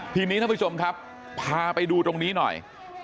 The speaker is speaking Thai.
ทีนี้ท่านผู้ชมครับพาไปดูตรงนี้หน่อย